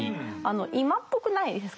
今っぽくないですか。